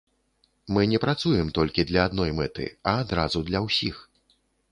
Мы не працуем толькі для адной мэты, а адразу для ўсіх.